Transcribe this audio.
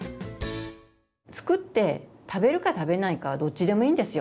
作って食べるか食べないかはどっちでもいいんですよ。